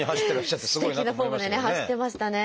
すてきなフォームでね走ってましたね。